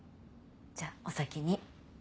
じゃあお先に。